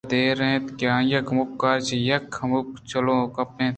پدا دیر اِنت کہ آئیءِ کمکاراں چہ یکے کہ ہمدا چلوپگءَ اَت